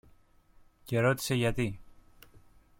και ρώτησε γιατί.